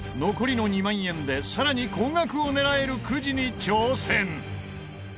残りの２万円でさらに高額を狙えるくじに挑戦！